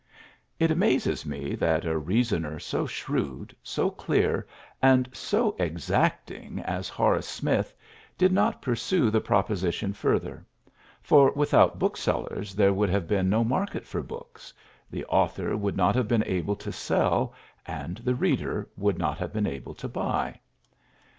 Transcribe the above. It amazes me that a reasoner so shrewd, so clear, and so exacting as Horace Smith did not pursue the proposition further; for without booksellers there would have been no market for books the author would not have been able to sell, and the reader would not have been able to buy.